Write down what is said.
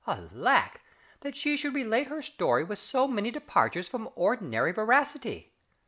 Alack! that she should relate her story with so many departures from ordinary veracity.